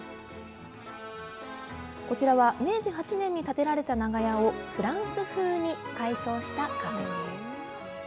こちらは、明治８年に建てられた長屋をフランス風に改装したカフェです。